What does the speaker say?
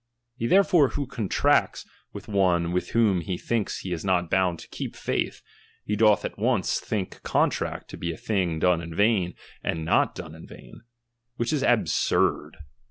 He therefore who contracts with ^M one with whom he thinks he is not bound to keep ^H faith, he doth at once think a contract to be a ^B thing done in vain, and not in vain ; which is ab ^^ surd.